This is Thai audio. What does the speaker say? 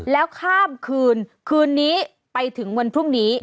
แล้วข้ามคืนคืนนี้ไปถึงวันพรุ่งนี้